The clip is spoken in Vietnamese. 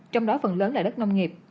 trong đó phần lớn là đất nông nghiệp